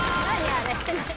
あれ。